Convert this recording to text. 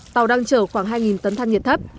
tàu đang chở khoảng hai tấn than nhiệt thấp